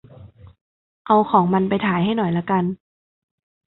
เอา ของมันไปถ่ายให้หน่อยละกัน